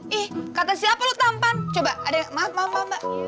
ih kata siapa lo tampan coba ada yang maaf maaf maaf mbak